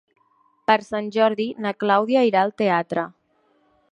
Per Sant Jordi na Clàudia irà al teatre.